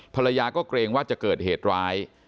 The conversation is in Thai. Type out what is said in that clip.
ภรรยาก็เกรงว่าจะเกิดเหตุร้าย